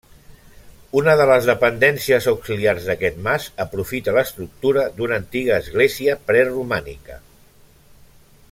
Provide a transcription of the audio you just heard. Una de les dependències auxiliars d'aquest mas aprofita l'estructura d'una antiga església preromànica.